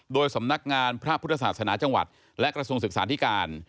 โดยสำนักงานพระพุทธศาสนาจังหวัดและกระทรวงศึกษาธิการ